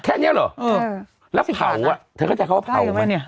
แค่เนี้ยเหรอเออแล้วเผาอ่ะเธอเข้าใจว่าเผาไหมได้หรือไม่เนี้ย